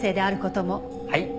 はい。